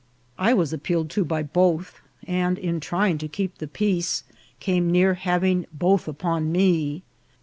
I was appeal ed to by both, and in trying to keep the peace came near having both upon me.